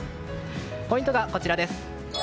ポイントがこちらです。